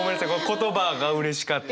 言葉がうれしかった。